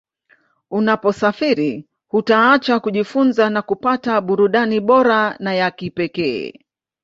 Unaposafiri hutaacha kujifunza na kupata burudani bora na ya kipekee